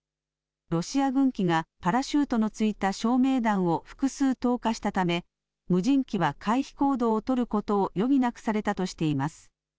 ロシア軍機がパラシュートのついた照明弾を複数、投下したため無人機は回避行動を取ることを余儀なくされたとしています。